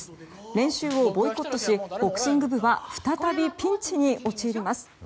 練習をボイコットしボクシング部は再びピンチに陥ります。